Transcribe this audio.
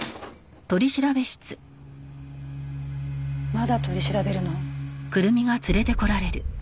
まだ取り調べるの？